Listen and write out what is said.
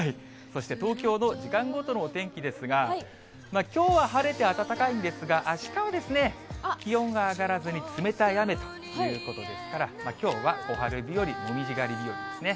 そして東京の時間ごとのお天気ですが、きょうは晴れて暖かいんですが、あしたは気温が上がらずに、冷たい雨ということですから、きょうは小春日和、もみじ狩り日和ですね。